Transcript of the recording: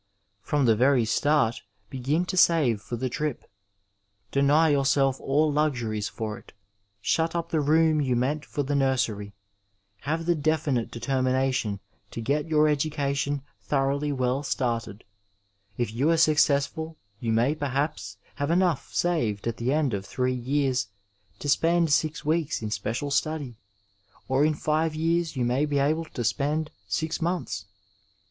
From the very start begin to save for the trip. Deny yourself all luxuries for it ; shut up the room you meant for the nursery — ^have the definite determination to get your education thoroughly well started ; if you are successful you may, perhaps, have enough saved at the end of three years to spend six weeks in special study ; or in five years you may be able to spend six months.